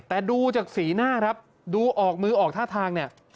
แต่ดูจากสีหน้าครับดูออกมือออกท่าทางเนี่ย